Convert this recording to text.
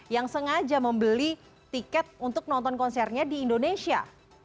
yang sengaja membeli tiket untuk nonton konsernya di indonesia